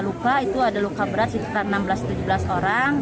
luka itu ada luka berat sekitar enam belas tujuh belas orang